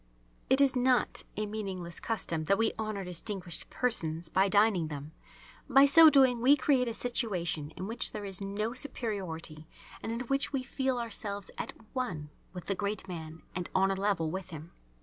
It is not a meaningless custom that we honour distinguished persons by dining them. By so doing we create a situation in which there is no superiority and in which we feel ourselves at one with the great man and on a level with him.